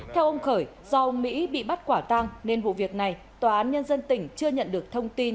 theo ông khởi do mỹ bị bắt quả tang nên vụ việc này tòa án nhân dân tỉnh chưa nhận được thông tin